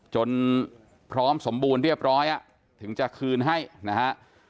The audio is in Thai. จนพร้อมสมบูรณ์เรียบร้อยถึงจะคืนให้นะฮะ